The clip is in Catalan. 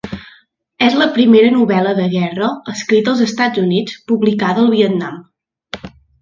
És la primera novel·la de guerra escrita als Estats Units publicada al Vietnam.